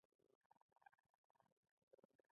پوهېږي چې زه به له ډېرو کیسو سره راځم.